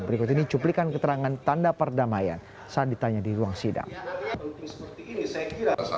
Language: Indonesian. berikut ini cuplikan keterangan tanda perdamaian saat ditanya di ruang sidang